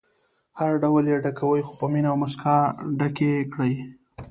هر ډول یې ډکوئ خو په مینه او موسکا ډکې کړئ.